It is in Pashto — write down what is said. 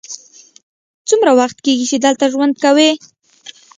څومره وخت کیږی چې دلته ژوند کوې؟